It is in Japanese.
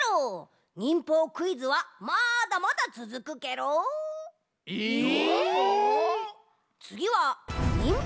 忍法クイズはまだまだつづくケロ。え！？どーも！？